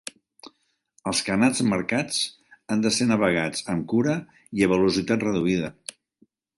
Els canals marcats han de ser navegats amb cura i a velocitat reduïda.